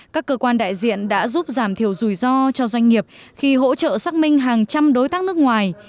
các cơ quan đại diện đã giúp giảm thiểu rủi ro cho doanh nghiệp khi hỗ trợ xác minh hàng trăm đối tác nước ngoài